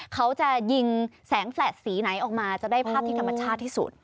เขาจะยิงแสงแฟลตสีไหนออกมาจะได้ภาพที่ธรรมชาติที่สุด